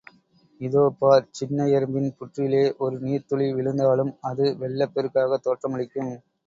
இதோ பார், சின்ன எறும்பின் புற்றிலே ஒரு நீர்த்துளி விழுந்தாலும், அது வெள்ளப் பெருக்காகத் தோற்றமளிக்கும்.